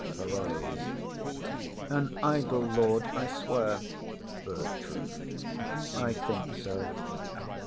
_] PAROLLES. An idle lord, I swear. BERTRAM. I think so.